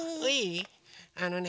あのね。